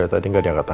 elsa ada di rumah